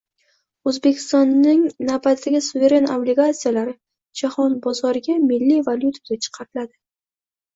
O‘zbekistonning navbatdagi suveren obligatsiyalari jahon bozoriga milliy valutada chiqariladi